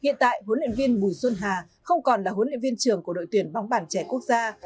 hiện tại huấn luyện viên bùi xuân hà không còn là huấn luyện viên trưởng của đội tuyển bóng bản trẻ quốc gia